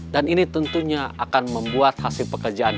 dan ini tentunya akan membuat hasil pekerjaan kita